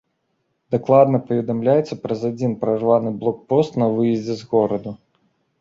Дакладна паведамляецца пра адзін прарваны блокпост на выездзе з гораду.